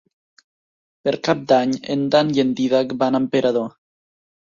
Per Cap d'Any en Dan i en Dídac van a Emperador.